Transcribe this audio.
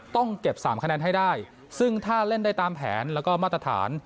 ต้องเก็บ๓คะแนนให้ได้ซึ่งถ้าเล่นได้ตามแผนแล้วก็มาตรฐาน